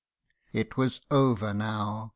" It was over now !